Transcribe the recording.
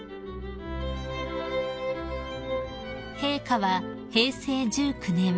［陛下は平成１９年